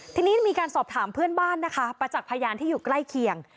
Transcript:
ทีนี้มีการสอบถามเพื่อนบ้านนะคะประจักษ์พยานที่อยู่ใกล้เคียง